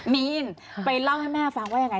มีนไปเล่าให้แม่ฟังว่ายังไง